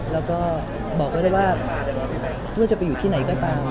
แล้วก็บอกไว้ได้ว่าไม่ว่าจะไปอยู่ที่ไหนก็ตาม